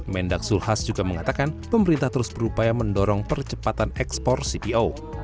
mendak zulhas juga mengatakan pemerintah terus berupaya mendorong percepatan ekspor cpo